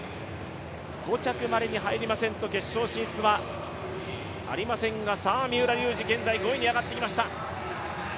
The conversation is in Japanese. ５着までに入りませんと決勝進出はありませんがさあ、三浦龍司、現在５位に上がってきました。